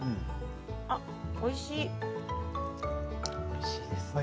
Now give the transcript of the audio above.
おいしい。